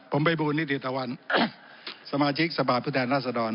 ผมภัยบูรณ์นิดิตลัวรภ์สมาชิกสภาพธุดแดนลัสดร